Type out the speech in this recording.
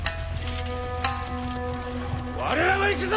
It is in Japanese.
我らも行くぞ！